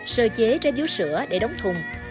sơ chế trái dũ sữa để đóng thùng